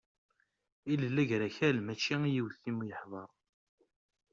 Ilel Agrakal mačči yiwet iwumi yeḥḍer.